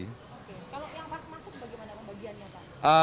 kalau yang pas masuk bagaimana pembagiannya pak